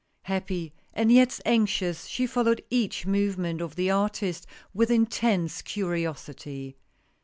Happy and yet anxious she followed each movement of the artist with intense curiosity.